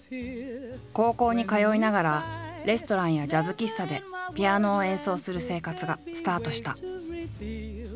高校に通いながらレストランやジャズ喫茶でピアノを演奏する生活がスタートした。